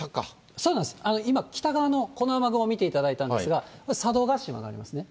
そうなんです、今、北側のこの雨雲見ていただいたんですが、佐渡島ありますね。